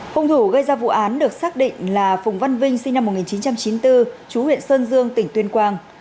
hùng thủ gây ra vụ án được xác định là phùng văn vinh sinh năm một nghìn chín trăm chín mươi bốn chú huyện sơn dương tỉnh tuyên quang